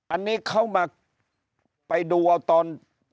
อันนี้เขามาไปดูเอาตอน